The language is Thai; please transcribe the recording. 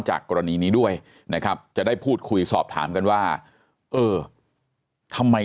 กรณีนี้ด้วยนะครับจะได้พูดคุยสอบถามกันว่าเออทำไม